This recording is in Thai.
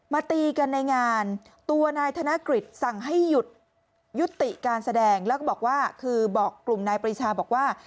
ตีกันในงานตัวนายธนกฤษสั่งให้หยุดยุติการแสดงแล้วก็บอกว่าคือบอกกลุ่มนายปริชาบอกว่า